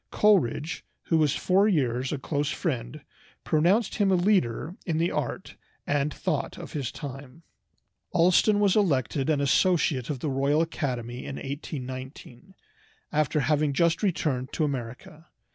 Coleridge, who was for years a close friend, pronounced him a leader in the art and thought of his time. Allston was elected an associate of the Royal Academy in 1819, after having just returned to America.